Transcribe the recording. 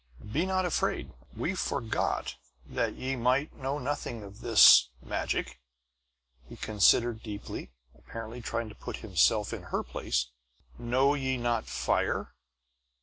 Be not afraid. We forgot that ye might know nothing of this 'magic.'" He considered deeply, apparently trying to put himself in her place. "Know ye not fire?"